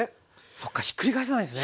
そっかひっくり返さないですね。